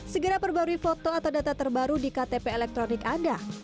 segera perbarui foto atau data terbaru di ktp elektronik anda